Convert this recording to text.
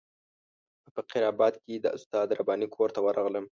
په فقیر آباد کې د استاد رباني کور ته ورغلم.